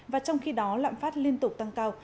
và trong khi đó lạm phát liên tục tăng cao